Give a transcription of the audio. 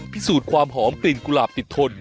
พิสูจน์ความหอมกลิ่นกุหลาบติดทน